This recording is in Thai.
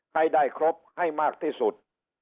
ให้ได้ครบให้มากที่สุด